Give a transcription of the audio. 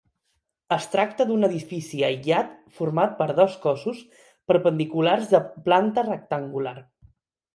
Es tracta d'un edifici aïllat, format per dos cossos perpendiculars de planta rectangular.